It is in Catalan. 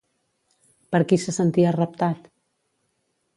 Per qui se sentia reptat?